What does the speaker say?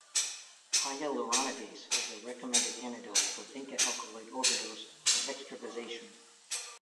Hyaluronidase is a recommended antidote for vinca alkaloid ovderose or extravasation.